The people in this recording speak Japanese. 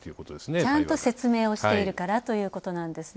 ちゃんと説明をしているからということなんですね。